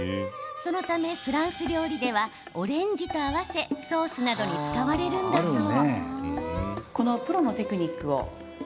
そのためフランス料理ではオレンジと合わせソースなどに使われるんだそう。